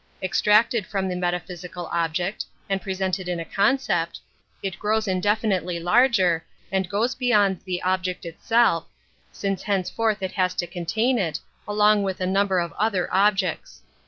Extracted from the metaphysical object, and presented in a concept, it grows indefinitely larger, and goes beyond the object itself, since henceforth it has to con tain it, along with a number of other objects.